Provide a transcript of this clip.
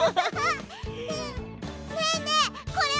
ねえねえ